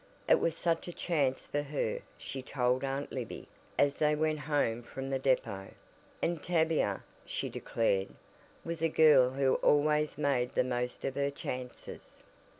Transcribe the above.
It was such a chance for her, she told Aunt Libby, as they went home from the depot, and Tavia, she declared, was a girl who always made the most of her chances.